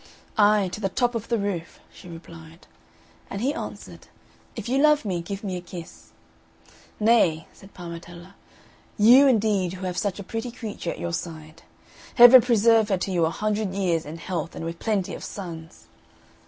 "Ay, to the top of the roof," she replied. And he answered, "If you love me, give me a kiss." "Nay," said Parmetella, "YOU indeed, who have such a pretty creature at your side! Heaven preserve her to you a hundred years in health and with plenty of sons!"